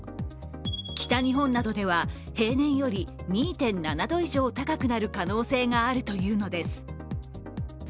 北日本などでは平年より２．７度以上高くなる可能性があるというのです。